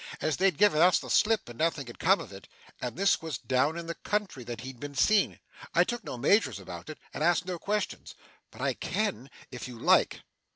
As they'd given us the slip, and nothing had come of it, and this was down in the country that he'd been seen, I took no measures about it, and asked no questions But I can, if you like.